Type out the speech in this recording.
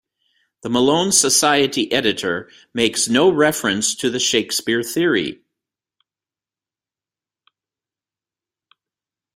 The Malone Society editor makes no reference to the Shakespeare theory.